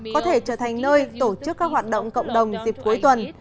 có thể trở thành nơi tổ chức các hoạt động cộng đồng dịp cuối tuần